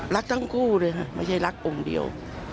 รักทั้งคู่เลยค่ะไม่ใช่รักองค์เดียว